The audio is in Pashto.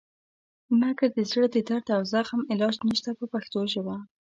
مګر د زړه د درد او زخم علاج نشته په پښتو ژبه.